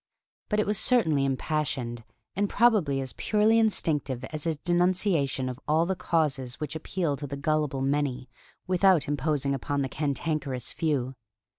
But it was certainly impassioned, and probably as purely instinctive as his denunciation of all the causes which appeal to the gullible many without imposing upon the cantankerous few.